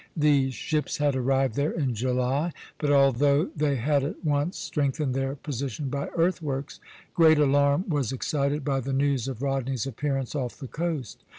These ships had arrived there in July; but although they had at once strengthened their position by earthworks, great alarm was excited by the news of Rodney's appearance off the coast.